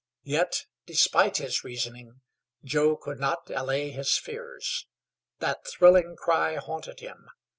Yet, despite his reasoning, Joe could not allay his fears. That thrilling cry haunted him.